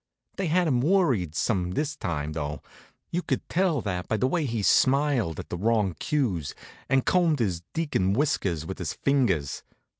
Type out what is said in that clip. They had him worried some this time, though. You could tell that by the way he smiled at the wrong cues, and combed his deacon whiskers with his fingers.